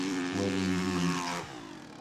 Wali-yi-d.